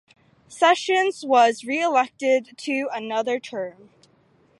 Sessions was reelected to another term.